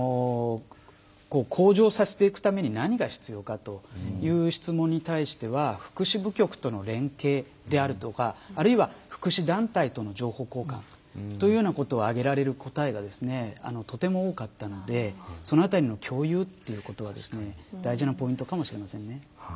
向上させていくために何が必要かという質問に対しては福祉部局との連携であるとかあるいは、福祉団体との情報交換というようなことを挙げられる声がとても多かったのでその辺りの共有ということが大事なポイントかもしれませんね。